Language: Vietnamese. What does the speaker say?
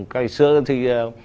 cái xưa thì